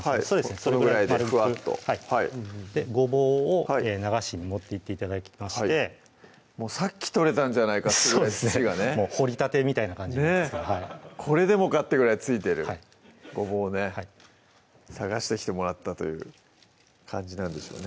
それぐらい丸くふわっとはいごぼうを流しに持っていって頂きましてもうさっき取れたんじゃないかというぐらい土がね掘りたてみたいな感じですけどねっこれでもかってぐらい付いてるごぼうをね探してきてもらったという感じなんでしょうね